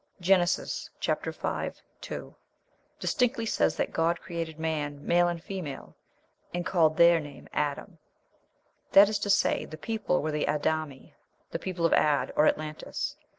Genesis (chap. v., 2) distinctly says that God created man male and female, and "called their name Adam." That is to say, the people were the Ad ami, the people of "Ad," or Atlantis.